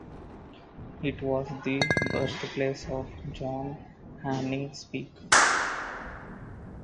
It was the birthplace of John Hanning Speke.